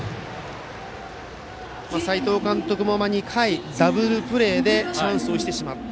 斎藤監督も２回ダブルプレーでチャンスを逸してしまった。